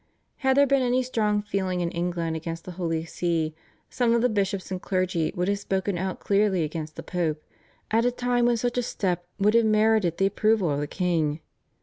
Had there been any strong feeling in England against the Holy See, some of the bishops and clergy would have spoken out clearly against the Pope, at a time when such a step would have merited the approval of the king.